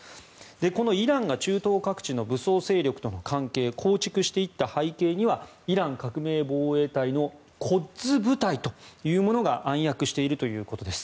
このイランが中東各地の武装勢力との関係を構築していった背景にはイラン革命防衛隊のコッズ部隊というものが暗躍しているということです。